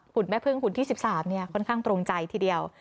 จากหุ่นแม่พึ่งหุ่นที่๑๓เนี่ยค่อนข้างตรงใจทีเดียว